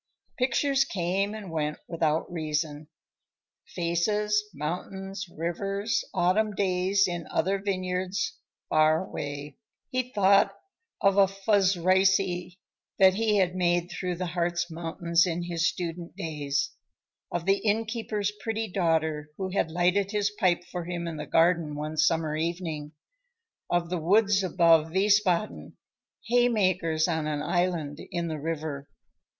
Pictures came and went without reason. Faces, mountains, rivers, autumn days in other vineyards far away. He thought of a Fuszreise he had made through the Hartz Mountains in his student days; of the innkeeper's pretty daughter who had lighted his pipe for him in the garden one summer evening, of the woods above Wiesbaden, haymakers on an island in the river.